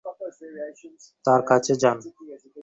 তার কাছে যান।